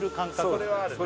それはあるね